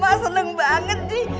mak seneng banget ji